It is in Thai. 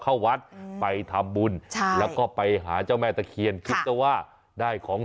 เข้าวัดไปทำบุญใช่แล้วก็ไปหาเจ้าแม่ตะเคียนคิดซะว่าได้ของ